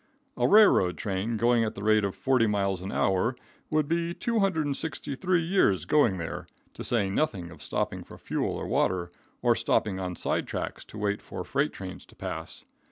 A railway train going at the rate of 40 miles per hour would be 263 years going there, to say nothing of stopping for fuel or water, or stopping on side tracks to wait for freight trains to pass.